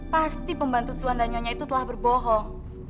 pasti pembantu tuan dan nyonya itu telah berbohong